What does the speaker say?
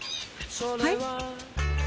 はい？